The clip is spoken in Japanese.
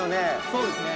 そうですね。